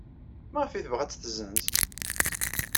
Maɣef ay tebɣa ad tt-tessenz?